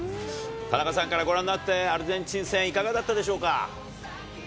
田中さんからご覧になって、アルゼンチン戦、いかがだったでしょうか？